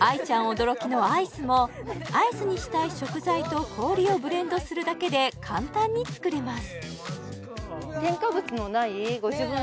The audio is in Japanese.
驚きのアイスもアイスにしたい食材と氷をブレンドするだけで簡単に作れます